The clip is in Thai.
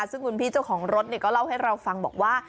ซึ่งคุณพี่เจ้าของรถก็เล่าให้เราฟังบอกว่า